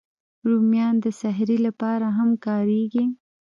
رومیان د سحري لپاره هم کارېږي